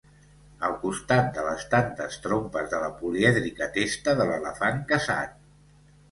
Al costat de les tantes trompes de la polièdrica testa de l'elefant caçat.